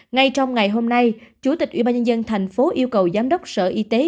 ngay trong ngày hôm nay chủ tịch ubnd thành phố yêu cầu giám đốc sở y tế